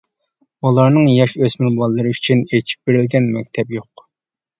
بۇلارنىڭ ياش-ئۆسمۈر بالىلىرى ئۈچۈن ئېچىپ بېرىلگەن مەكتەپ يوق.